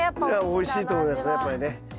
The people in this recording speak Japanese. おいしいと思いますねやっぱりね。